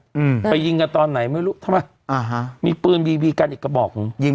อืมไปยิงกันตอนไหนไม่รู้ทำไมอ่าฮะมีปืนบีบีกันอีกกระบอกหนึ่งยิง